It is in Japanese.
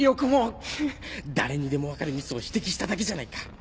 誰にでも分かるミスを指摘しただけじゃないか。